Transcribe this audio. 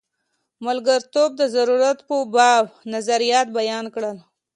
ملګرتوب د ضرورت په باب نظریات بیان کړل.